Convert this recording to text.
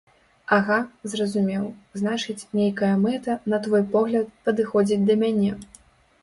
Ага, зразумеў, значыць, нейкая мэта, на твой погляд, падыходзіць да мяне.